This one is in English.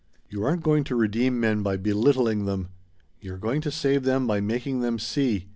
You aren't going to redeem men by belittling them. You're going to save them by making them see.